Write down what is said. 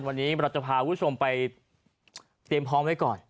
วันนี้เราจะพาคุณผู้ชมไปเตรียมพร้อมไว้ก่อน